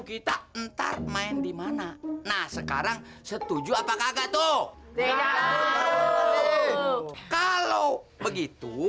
kita ntar main di mana nah sekarang setuju apa kaget oh enggak kalau begitu